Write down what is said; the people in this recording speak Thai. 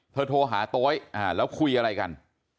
โทรหาโต๊ยแล้วคุยอะไรกัน